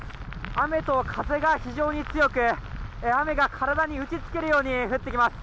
雨と風が非常に強く雨が体に打ち付けるように降ってきます。